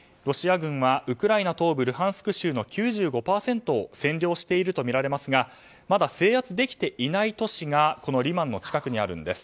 ロシア軍はウクライナ東部のルハンスク州の９５％を占領しているとみられますがまだ制圧できていない都市がリマンの近くにあるんです。